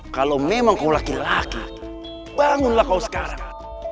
kalau memang kau laki laki bangunlah kau sekarang